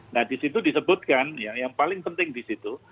nah di situ disebutkan yang paling penting di situ